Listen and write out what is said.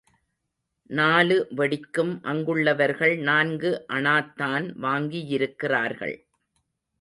நாலு வெடிக்கும் அங்குள்ளவர்கள் நான்கு அணாத்தான் வாங்கியிருக்கிறார்கள்.